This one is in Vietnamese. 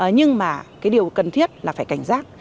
nhưng mà cái điều cần thiết là phải cảnh giác